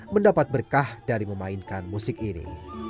mendapat berkah dari memainkan musik ini